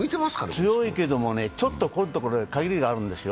強いけども、ちょっとここのところに陰りがあるんですよ。